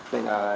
đây là mẫu rùa